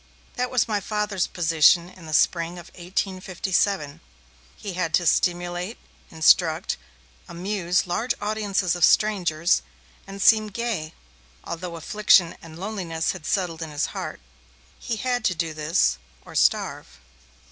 That was my Father's position in the spring of 1857; he had to stimulate, instruct, amuse large audiences of strangers, and seem gay, although affliction and loneliness had settled in his heart. He had to do this, or starve.